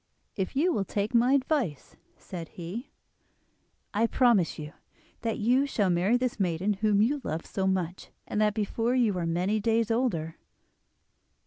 "If you will take my advice," said he, "I promise you that you shall marry this maiden whom you love so much, and that before you are many days older."